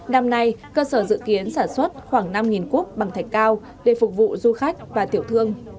năm nay cơ sở dự kiến sản xuất khoảng năm cúp bằng thạch cao để phục vụ du khách và tiểu thương